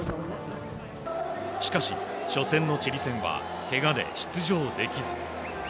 しかし、初戦のチリ戦はけがで出場できず。